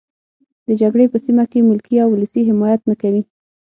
د جګړې په سیمه کې ملکي او ولسي حمایت نه کوي.